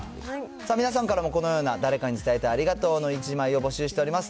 皆さんからもこのような、誰かに伝えてありがとうの１枚を募集しております。